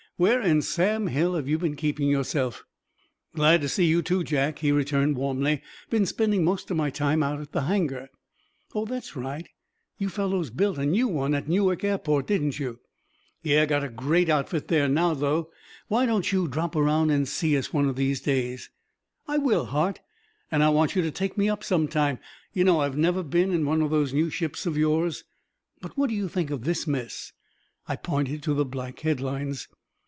Where in Sam Hill have you been keeping yourself?" "Glad to see you, too, Jack," he returned warmly. "Been spending most of my time out at the hangar." "Oh, that's right. You fellows built a new one at Newark Airport, didn't you?" "Yeah. Got a great outfit there now, too. Why don't you drop around and see us one of these days?" "I will, Hart, and I want you to take me up some time. You know I have never been in one of these new ships of yours. But what do you think of this mess?" I pointed to the black headlines.